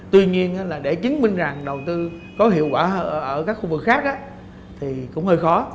tuy nhiên là để chứng minh rằng đầu tư có hiệu quả ở các khu vực khác thì cũng hơi khó